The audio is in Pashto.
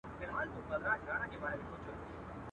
منظومه ترجمه: عبدالباري جهاني.